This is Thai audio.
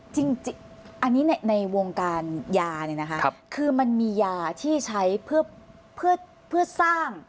จริงอันนี้ในวงการยาเนี่ยนะคะคือมันมียาที่ใช้เพื่อสร้าง